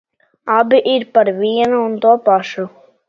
Abi ir par vienu un to pašu.